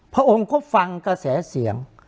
พระองค์ก็ฟังกระแสเสียง